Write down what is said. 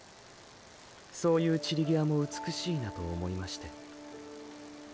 そういう散り際も美しいなと思いましてーー。